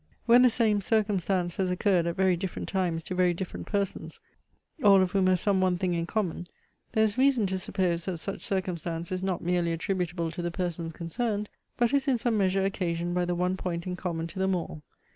When the same circumstance has occurred at very different times to very different persons, all of whom have some one thing in common; there is reason to suppose that such circumstance is not merely attributable to the persons concerned, but is in some measure occasioned by the one point in common to them all.